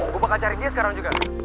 gue bakal cari dia sekarang juga